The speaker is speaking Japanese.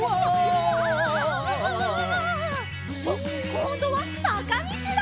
こんどはさかみちだ！